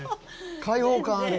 開放感ある！